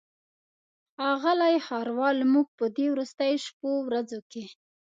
ښاغلی ښاروال موږ په دې وروستیو شپو ورځو کې.